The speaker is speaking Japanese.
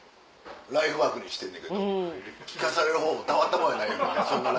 ライフワークにしてんねんけど聞かされるほうもたまったもんやないよな